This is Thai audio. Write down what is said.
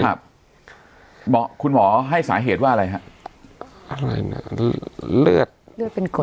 ครับหมอคุณหมอให้สาเหตุว่าอะไรฮะอะไรนะเลือดเลือดเป็นกรด